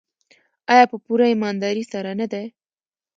آیا په پوره ایمانداري سره نه دی؟